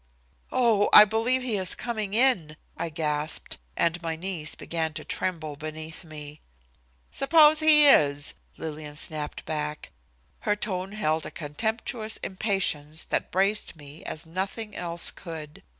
"Oh! I believe he is coming in," I gasped, and my knees began to tremble beneath me. "Suppose he is," Lillian snapped back. Her tone held a contemptuous impatience that braced me as nothing else could.